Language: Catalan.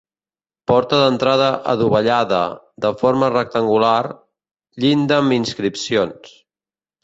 Porta d'entrada adovellada, de forma rectangular; llinda amb inscripcions.